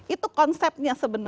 itu konsepnya sebenarnya